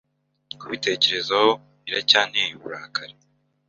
Kubitekerezaho biracyanteye uburakari.